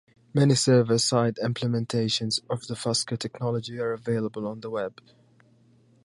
Many server-side implementations of the Fusker technology are available on the web.